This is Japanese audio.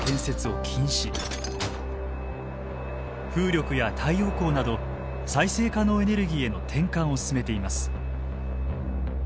風力や太陽光など再生可能エネルギーへの転換を進めています。